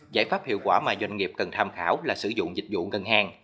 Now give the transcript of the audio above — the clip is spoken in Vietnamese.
giải pháp hiệu quả mà doanh nghiệp cần tham khảo là sử dụng dịch vụ ngân hàng